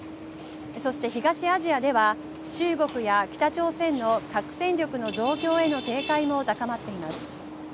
そして、東アジアでは中国や北朝鮮の核戦力の増強への警戒も高まっています。